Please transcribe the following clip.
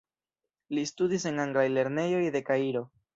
Li studis en anglaj lernejoj de Kairo.